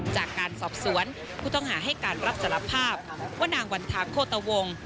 จากการสอบสวนผู้ต้องหาให้การรับสารภาพว่านางวันทางโคตวง